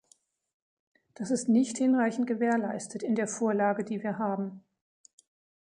Das ist nicht hinreichend gewährleistet in der Vorlage, die wir haben.